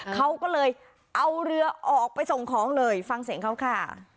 เขาก็เลยเอาเรือออกไปส่งของเลยฟังเสียงเขาค่ะ